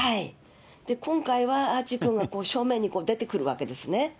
今回はアーチー君が正面に出てくるわけですね。